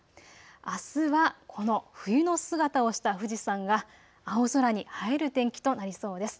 あすはこの冬の姿をした富士山が青空に映える天気となりそうです。